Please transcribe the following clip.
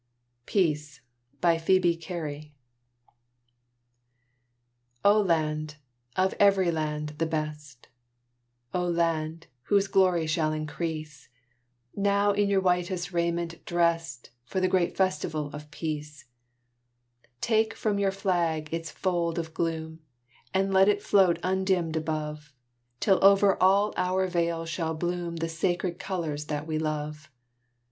ADELINE D. T. WHITNEY. PEACE O Land, of every land the best O Land, whose glory shall increase; Now in your whitest raiment drest For the great festival of Peace: Take from your flag its fold of gloom, And let it float undimmed above, Till over all our vales shall bloom The sacred colors that we love.